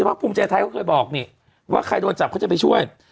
เพราะภูมิใจไทยเค้าเคยบอกว่าใครโดนจับก็จะไปช่วย